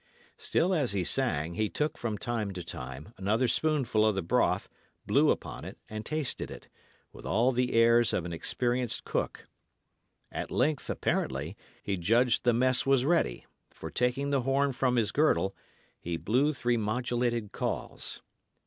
Still as he sang, he took from time to time, another spoonful of the broth, blew upon it, and tasted it, with all the airs of an experienced cook. At length, apparently, he judged the mess was ready; for taking the horn from his girdle, he blew three modulated calls.